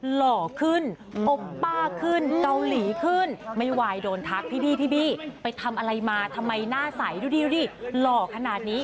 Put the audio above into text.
หล่อขึ้นอมป้าขึ้นเกาหลีขึ้นไม่ไหวโดนทักพี่บี้ไปทำอะไรมาทำไมหน้าใสดูดิหล่อขนาดนี้